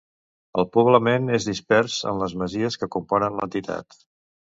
El poblament és dispers en les masies que componen l'entitat.